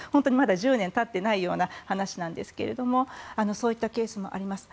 １０年たっていないような話なんですがそういったケースもあります。